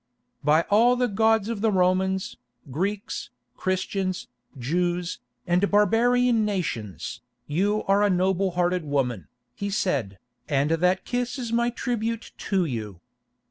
"By all the gods of the Romans, Greeks, Christians, Jews, and barbarian nations, you are a noble hearted woman," he said, "and that kiss is my tribute to you.